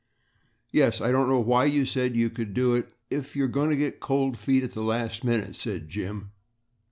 "Yes, I don't see why you said you could do it, if you are going to get cold feet at the last minute," said Jim.